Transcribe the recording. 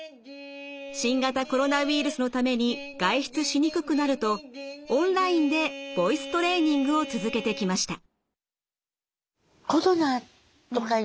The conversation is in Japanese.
新型コロナウイルスのために外出しにくくなるとオンラインでボイストレーニングを続けてきました。